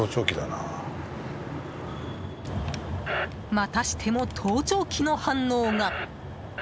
またしても盗聴器の反応が。